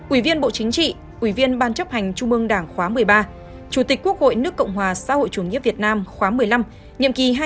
ủy viên bộ chính trị ủy viên ban chấp hành trung ương đảng khóa một mươi ba chủ tịch quốc hội nước cộng hòa xã hội chủ nghĩa việt nam khóa một mươi năm nhiệm kỳ hai nghìn một mươi sáu hai nghìn hai mươi